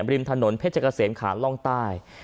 ริมถนนเพชรเกษมขาล่องใต้